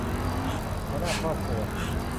หัวหน้าครอบครัว